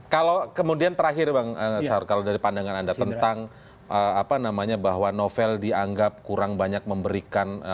kalau kemudian terakhir bang saur kalau dari pandangan anda tentang apa namanya bahwa novel dianggap kurang banyak memberikan